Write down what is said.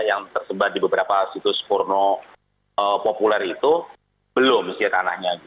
yang tersebar di beberapa situs porno populer itu belum sih tanahnya